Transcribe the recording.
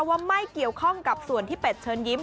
ว่าไม่เกี่ยวข้องกับส่วนที่เป็ดเชิญยิ้ม